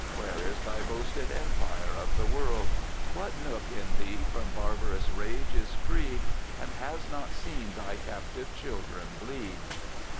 Where is thy boasted Empire of the world ? What nook m Thee from barbarous Rage is freed And has not seen thy captive children bleed